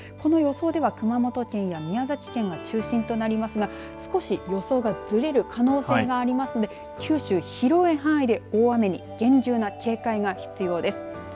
この予想では熊本県や宮崎県が中心となりますが少し予想がずれる可能性がありますので九州、広い範囲で大雨に厳重な警戒が必要です。